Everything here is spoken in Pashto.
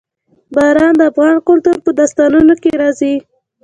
باران د افغان کلتور په داستانونو کې راځي.